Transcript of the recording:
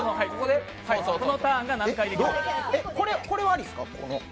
これはありですか？